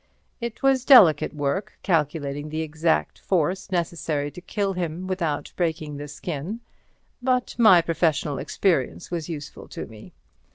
It was delicate work calculating the exact force necessary to kill him without breaking the skin, but my professional experience was useful to me.